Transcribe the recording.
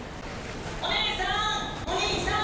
「お姉さんお兄さん